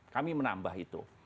kami menambah itu